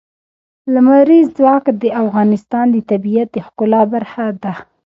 لمریز ځواک د افغانستان د طبیعت د ښکلا برخه ده.